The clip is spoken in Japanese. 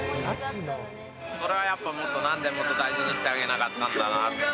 それはやっぱもっとなんでもっと大事にしてあげなかったんだ。